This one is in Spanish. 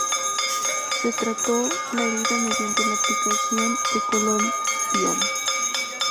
Se trató la herida mediante la aplicación de colodión.